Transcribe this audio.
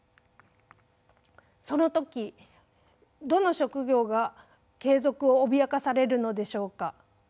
その時どの職業が継続を脅かされるのでしょうか？